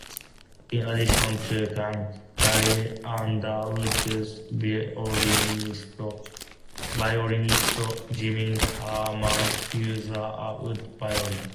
In addition to Kang, Carrie Underwood's violinist, Jimmy Herman, uses a Wood Violin.